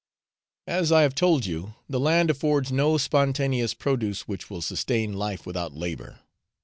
As I have told you, the land affords no spontaneous produce which will sustain life without labour.